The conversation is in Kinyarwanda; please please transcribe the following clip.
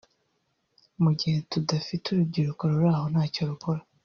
mu gihe tudafite urubyiruko ruraho ntacyo rukora